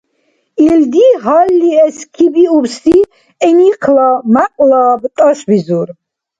Илди гьалли эскибиубси гӀиникъла мякьлаб тӀашбизур.